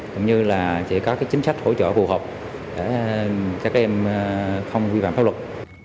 cũng như là sẽ có chính sách hỗ trợ phù hợp để các em không vi phạm pháp luật